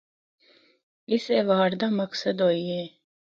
اس ایواڈ دا مقصد اوہی ایہا۔